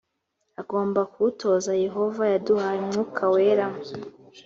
agomba kuwutoza yehova yaduhaye umwuka wera